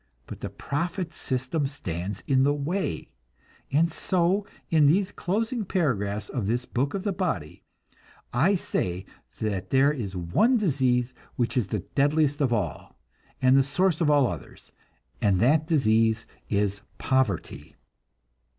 But the profit system stands in the way; and so, in these closing paragraphs of this Book of the Body, I say that there is one disease which is the deadliest of all, and the source of all others, and that disease is poverty.